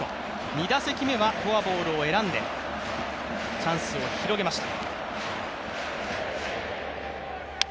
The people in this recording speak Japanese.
２打席目はフォアボールを選んでチャンスを広げました。